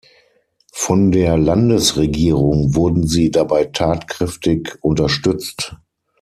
Von der Landesregierung wurden sie dabei tatkräftig unterstützt.